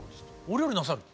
お料理なさる？